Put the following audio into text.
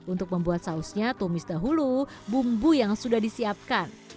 untuk membuat sausnya tumis dahulu bumbu yang sudah disiapkan